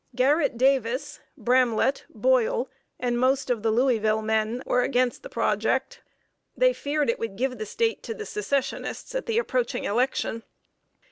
Garrett Davis, Bramlette, Boyle, and most of the Louisville men, were against the project. They feared it would give the State to the Secessionists at the approaching election.